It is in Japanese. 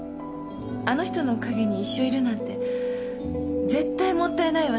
あの人の陰に一生いるなんて絶対もったいないわ。